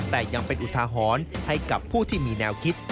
แต่ยังเป็นอุทาหรณ์ให้กับผู้ที่มีแนวคิด